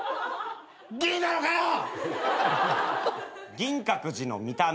銀閣寺の見た目。